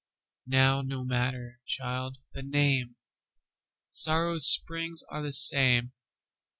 Now no matter, child, the name:Sórrow's spríngs áre the same.